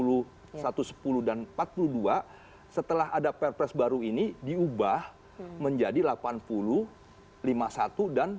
jadi di sistemnya masih satu enam puluh satu sepuluh dan empat puluh dua setelah ada perpres baru ini diubah menjadi delapan puluh lima puluh satu dan dua puluh lima lima ratus